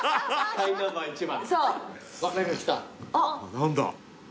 何だ？